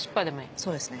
そうですね。